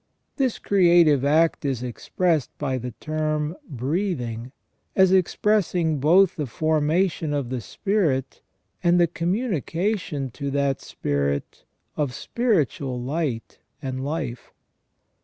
This creative act is expressed by the term breathing, as expressing both the formation of the spirit and the communication to that spirit of spiritual light and life.